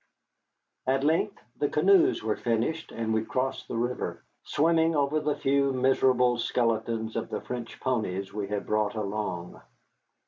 At length the canoes were finished and we crossed the river, swimming over the few miserable skeletons of the French ponies we had brought along.